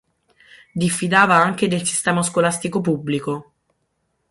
Diffidava anche del sistema scolastico pubblico.